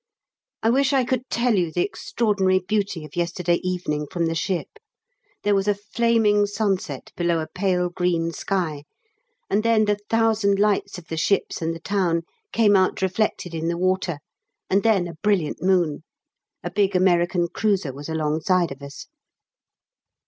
I wish I could tell you the extraordinary beauty of yesterday evening from the ship. There was a flaming sunset below a pale green sky, and then the thousand lights of the ships and the town came out reflected in the water, and then a brilliant moon. A big American cruiser was alongside of us.